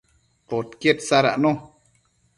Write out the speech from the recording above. podquied sadacno